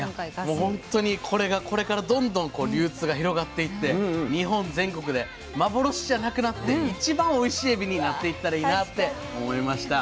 もうほんとにこれがこれからどんどん流通が広がっていって日本全国で幻じゃなくなって一番おいしいエビになっていったらいいなって思いました。